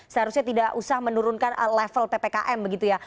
seharusnya tidak usah menurunkan level ppkm begitu ya